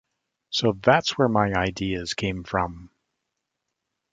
So that's where my ideas came from.